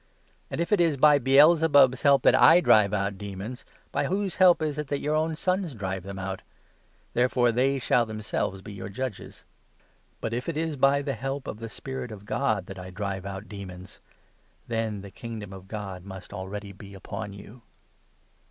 And, if it 27 is by Baal zebub's help that I drive out demons, by whose help is it that your own sons drive them out ? Therefore they shall themselves be your judges. But, if it is by the help of 28 the Spirit of God that I drive out demons, then the Kingdom of God must already be upon you.